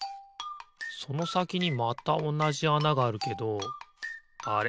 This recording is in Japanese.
そのさきにまたおなじあながあるけどあれ？